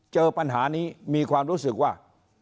เจอปัญหานี้มีความรู้สึกว่า